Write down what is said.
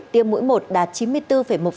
tiêm mũi một đạt chín mươi bốn một